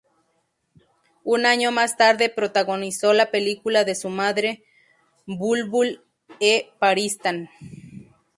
Un año más tarde protagonizó la película de su madre "Bulbul-e-Paristan".